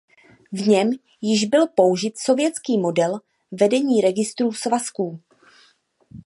V něm již byl použit sovětský model vedení registrů svazků.